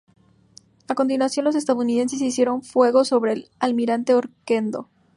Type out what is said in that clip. A continuación, los estadounidenses hicieron fuego sobre el "Almirante Oquendo".